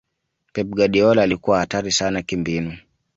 pep guardiola alikuwa hatari sana kimbinu